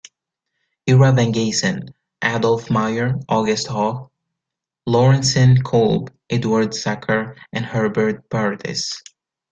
Ira Van Gieson, Adolph Meyer, August Hoch, Lawrence Kolb, Edward Sachar and Herbert Pardes.